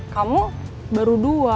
kamu baru dua